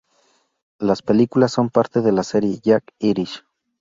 Las películas son parte de la serie Jack Irish.